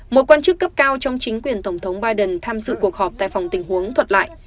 một quan chức cấp cao trong chính quyền tổng thống biden tham dự cuộc họp tại phòng tình huống thuật lại